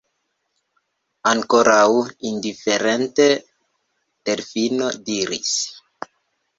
Ankoraŭ indiferente, Delfino diris: